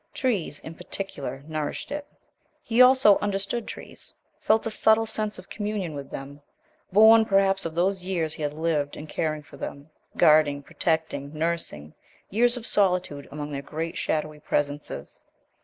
Trees, in particular, nourished it. He, also, understood trees, felt a subtle sense of communion with them, born perhaps of those years he had lived in caring for them, guarding, protecting, nursing, years of solitude among their great shadowy presences.